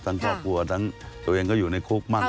ทั้งครอบครัวตัวเองก็อยู่ในโค้กมั่น